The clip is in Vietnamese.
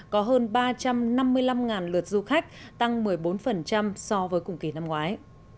có hơn ba trăm năm mươi năm lượt du khách tăng một mươi bốn so với cùng kỳ năm ngoái